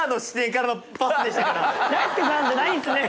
大輔さんじゃないんすね。